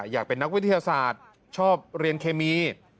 อยากเป็นนักวิทยาศาสตร์ชอบเรียนเคมี